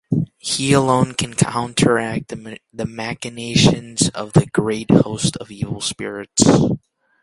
He alone can counteract the machinations of the great host of evil spirits.